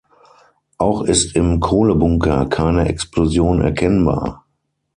Auch ist im Kohlebunker keine Explosion erkennbar.